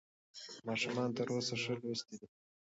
ماشومان تر اوسه ښه لوستي دي.